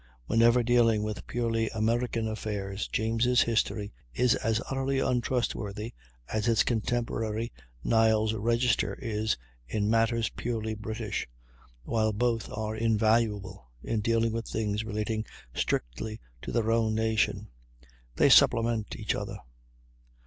Whenever dealing with purely American affairs, James' history is as utterly untrustworthy as its contemporary, "Niles' Register," is in matters purely British, while both are invaluable in dealing with things relating strictly to their own nation; they supplement each other.